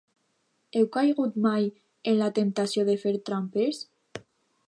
Heu caigut mai en la temptació de fer trampes?